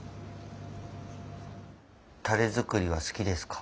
たれ作りは好きですか？